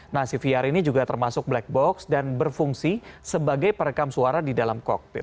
nah cvr ini juga termasuk black box dan berfungsi sebagai perekam suara di dalam kokpit